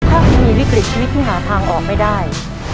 ถ้าคุณมีวิกฤตชีวิตที่หาทางออกไม่ได้